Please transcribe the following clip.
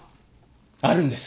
あるんです。